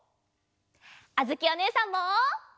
あづきおねえさんも！